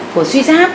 của suy giáp